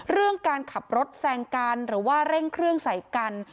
เรื่องการขับรถแซงกันหรือว่าเร่งเครื่องใส่กัน